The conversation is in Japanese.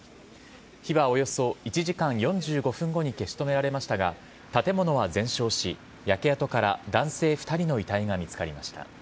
火はおよそ１時間４５分後に消し止められましたが建物は全焼し、焼け跡から男性２人の遺体が見つかりました。